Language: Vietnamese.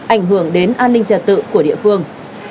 ảnh hưởng đến an ninh trật tự của địa phương